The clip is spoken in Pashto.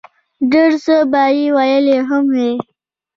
ډېر څۀ به ئې ويلي هم وي